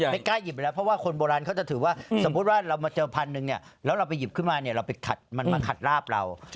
ไม่กลายหยิบแล้วเพราะว่าคนโบราณเขาจะถือว่าสมมุติว่าเรามาเจอผันหนึ่งแล้วเราไปอีกหิบมือเราไปขัดมันมาขัดราบเรา